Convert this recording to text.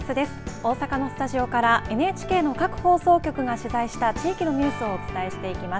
大阪のスタジオからＮＨＫの各放送局が取材した各地のニュースをお伝えしていきます。